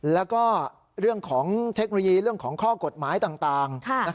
แล้วก็เรื่องของเทคโนโลยีเรื่องของข้อกฎหมายต่าง